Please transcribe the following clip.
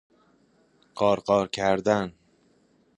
قارقار کردن